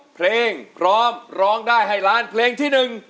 เพลงพร้อมร้องได้ให้ล้านเพลงที่๑